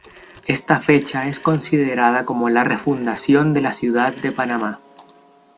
Esta fecha es considerada como la refundación de la ciudad de Panamá.